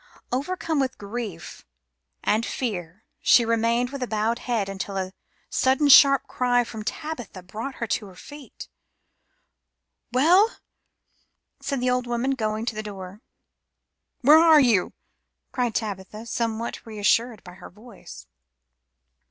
Overcome with grief and fear she remained with bowed head until a sudden sharp cry from Tabitha brought her to her feet. "Well," said the old woman, going to the door. "Where are you?" cried Tabitha, somewhat reassured by her voice.